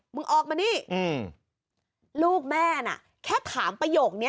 มึงออกมานี่ลูกแม่น่ะแค่ถามประโยคนี้